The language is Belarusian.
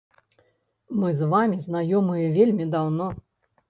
Мы з вамі знаёмыя вельмі даўно.